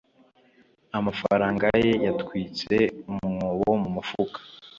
amafaranga ye yatwitse umwobo mu mufuka.